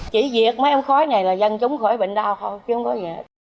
chỉ việc mấy ông khói này là dân chúng khỏi bệnh đau thôi chứ không có gì